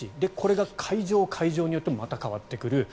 これが会場、会場によってもまた変わってくる。